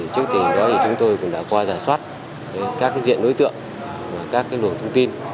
thế thì chúng tôi cũng đã qua giả soát các diện đối tượng và các lượng thông tin